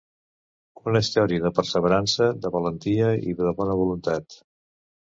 Una història de perseverança, de valentia i de bona voluntat.